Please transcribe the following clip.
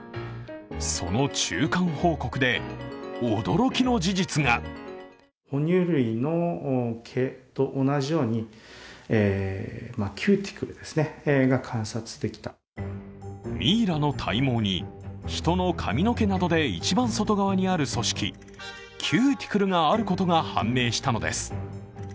その中間報告で、驚きの事実がミイラの体毛に人の髪の毛などで一番外側にある組織、キューティクルがあることが判明したのです。